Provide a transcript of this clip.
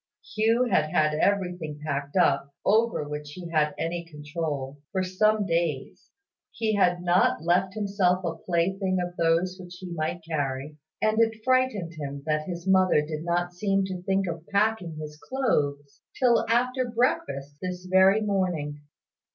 Hugh had had everything packed up, over which he had any control, for some days. He had not left himself a plaything of those which he might carry: and it frightened him that his mother did not seem to think of packing his clothes till after breakfast this very morning.